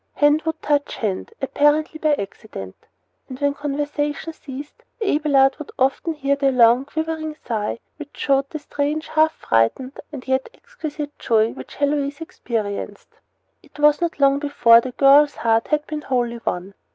Hand would touch hand, apparently by accident; and when conversation ceased, Abelard would often hear the long, quivering sigh which showed the strange, half frightened, and yet exquisite joy which Heloise experienced. It was not long before the girl's heart had been wholly won.